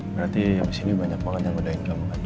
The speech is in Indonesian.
berarti abis ini banyak banget yang godain kamu kan